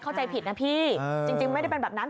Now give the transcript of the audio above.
เข้าใจผิดนะพี่จริงไม่ได้เป็นแบบนั้น